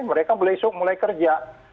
mereka besok mulai kerja